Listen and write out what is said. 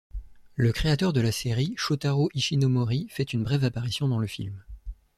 Le créateur de la série, Shotaro Ishinomori fait une brève apparition dans le film.